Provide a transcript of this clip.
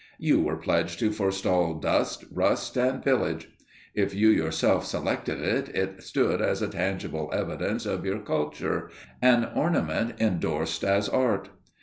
You were pledged to forestall dust, rust and pillage. If you yourself selected it, it stood as a tangible evidence of your culture, an ornament endorsed as art.